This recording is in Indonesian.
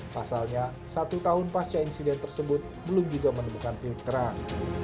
pasalnya satu tahun pasca insiden tersebut belum juga menemukan titik terang